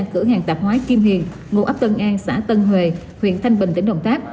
cửa hàng tạp hóa kim hiền ngụ ấp tân an xã tân huê huyện thanh bình tỉnh đồng tháp